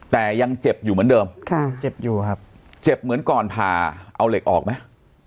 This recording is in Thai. แต่ยังเจ็บอยู่เหมือนเดิมค่ะเจ็บอยู่ครับเจ็บเหมือนก่อนผ่าเอาเหล็กออกไหม